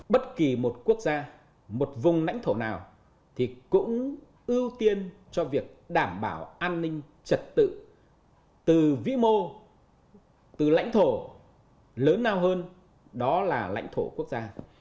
bất kỳ một quốc gia một vùng lãnh thổ nào thì cũng ưu tiên cho việc đảm bảo an ninh trật tự từ vĩ mô từ lãnh thổ lớn nào hơn đó là lãnh thổ quốc gia